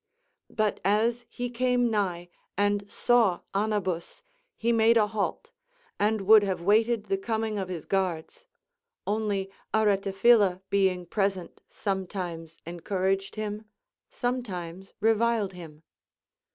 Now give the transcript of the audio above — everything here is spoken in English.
But as he came nigh and saw Anabus, he made a halt, and would have waited the coming of his guards ; only Aretapliila being present sometimes encouraged him, sometimes reviled him.